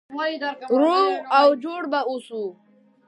روغ او جوړ به اوسو.